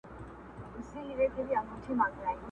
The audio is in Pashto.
زما په لستوڼي کي ښامار لوی که٫